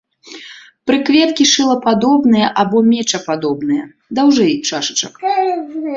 Прыкветкі шылападобныя або мечападобныя, даўжэй чашачак.